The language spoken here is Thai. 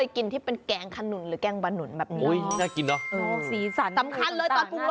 คือขนุนเคยกินแบบพวกตำขนุน